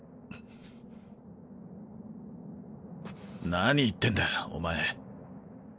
何言ってんだお前。